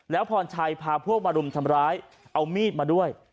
แล้วพรชัยพาพวกมารุมทำร้ายเอามีดมาด้วย